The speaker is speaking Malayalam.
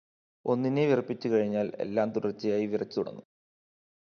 ഒന്നിനെവിറപ്പിച്ചുകഴിഞ്ഞാൽ എല്ലാം തുടർചയായി വിറച്ചുതുടങ്ങും.